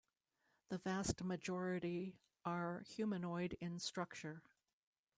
The vast majority are humanoid in structure.